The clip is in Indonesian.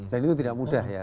dan itu tidak mudah ya